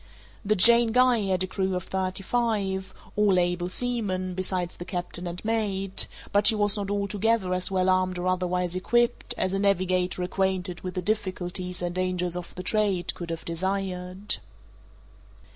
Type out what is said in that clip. The Jane Guy had a crew of thirty five, all able seamen, besides the captain and mate, but she was not altogether as well armed or otherwise equipped, as a navigator acquainted with the difficulties and dangers of the trade could have desired.